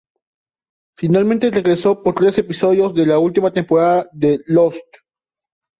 Finalmente regresó por tres episodios de la última temporada de "Lost".